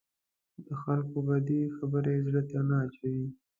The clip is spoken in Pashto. د خلکو بدې خبرې زړه ته نه اچوم.